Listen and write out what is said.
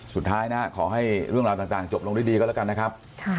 สุดท้ายนะขอให้เรื่องราวต่างจบลงด้วยดีก็แล้วกันนะครับ